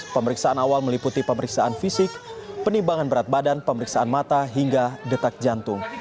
pemeriksaan awal meliputi pemeriksaan fisik penimbangan berat badan pemeriksaan mata hingga detak jantung